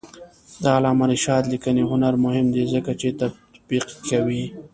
د علامه رشاد لیکنی هنر مهم دی ځکه چې تطبیق کوي.